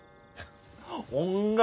音楽！